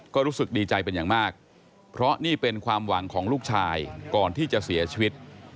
ก็รู้สึกดีใจเป็นอย่างมากเพราะนี่เป็นความหวังของลูกชายก่อนที่จะเสียชีวิต